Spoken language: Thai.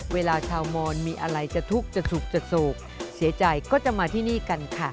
เวลาชาวมอนมีอะไรจะทุกข์จะสุขจะโศกเสียใจก็จะมาที่นี่กันค่ะ